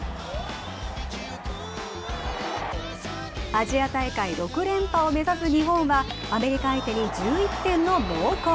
アジア大会６連覇を目指す日本はアメリカ相手に１１点の猛攻。